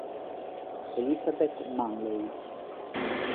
Elizabeth Manley